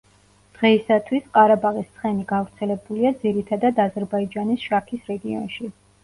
დღეისათვის, ყარაბაღის ცხენი გავრცელებულია, ძირითადად, აზერბაიჯანის შაქის რეგიონში.